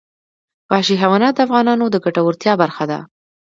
وحشي حیوانات د افغانانو د ګټورتیا برخه ده.